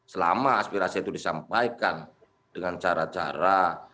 selama aspirasi itu disampaikan dengan cara cara